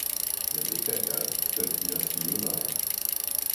men det kan jeg, skønt de har stive nakker!